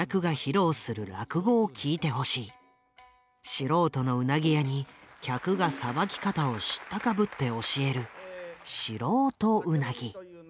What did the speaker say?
素人の鰻屋に客がさばき方を知ったかぶって教える「素人鰻」。